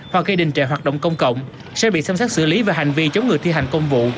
hoặc gây đình trại hoạt động công cộng sẽ bị xâm sát xử lý và hành vi chống ngừa thi hành công vụ